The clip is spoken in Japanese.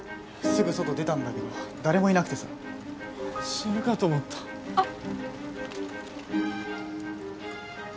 すぐ外出たんだけど誰もいなくてさ死ぬかと思ったあっ